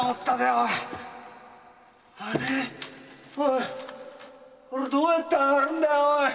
おいこれどうやって上がるんだよ。